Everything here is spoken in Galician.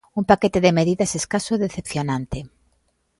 Un paquete de medidas escaso e decepcionante.